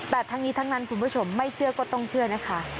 แต่ทั้งนี้ทั้งนั้นคุณผู้ชมไม่เชื่อก็ต้องเชื่อนะคะ